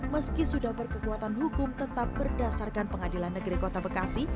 meski sudah berkekuatan hukum tetap berdasarkan pengadilan negeri kota bekasi